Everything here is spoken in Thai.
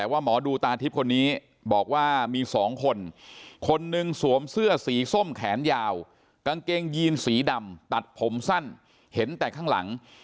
ว่าหมอดูตาทิพย์คนนี้บอกว่ามีสองคนคนหนึ่งสวมเสื้อสีส้มแขนยาวกางเกงยีนสีดำตัดผมสั้นเห็นแต่ข้างหลัง